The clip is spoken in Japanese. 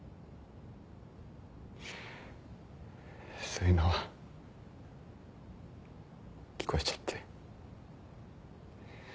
そういうのは聞こえちゃって。